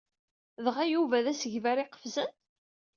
Dɣa, Yuba d asegbar iqefzen?